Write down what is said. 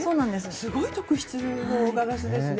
すごい特質のガラスですね。